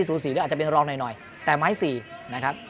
หรืออาจจะเป็นรองหน่อยแต่ไม้๔นะครับ